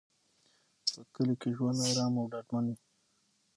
په کلي کې ژوند ارام او ډاډمن وي.